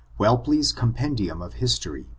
— Whelpleffs Com pend of History, p.